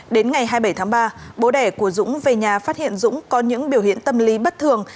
đến ngày hai mươi bảy tháng ba bố đẻ của dũng về nhà phát hiện dũng có những biểu hiện tâm lý bất thường